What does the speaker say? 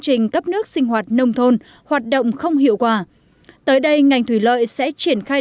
trình cấp nước sinh hoạt nông thôn hoạt động không hiệu quả tới đây ngành thủy lợi sẽ triển khai